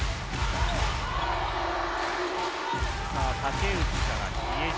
竹内から比江島。